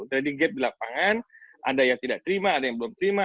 jadi gap di lapangan ada yang tidak terima ada yang belum terima